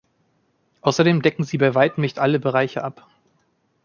Außerdem decken sie bei weitem nicht alle Bereiche ab.